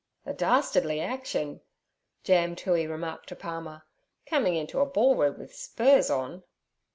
'A dastardly action' Jam Toohey remarked to Palmer, 'coming into a ballroom with spurs on.'